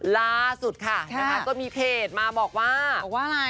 ล่าสุดคะก็มีเพจมาบอกว่าบอกว่าอะไร